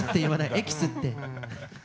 エキスって。